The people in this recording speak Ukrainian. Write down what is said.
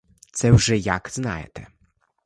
Це вже як знаєте.